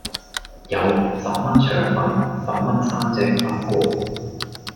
有,十蚊腸粉,十蚊三隻粉果